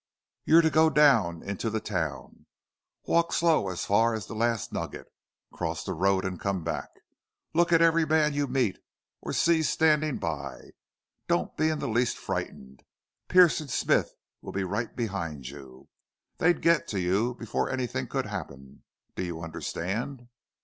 "You're to go down into the town. Walk slow as far as the Last Nugget. Cross the road and come back. Look at every man you meet or see standing by. Don't be in the least frightened. Pearce and Smith will be right behind you. They'd get to you before anything could happen.... Do you understand?"